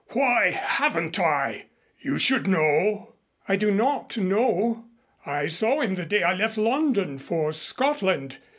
"Why haven't I? You should know." "I do not know. I saw him the day I left London for Scotland.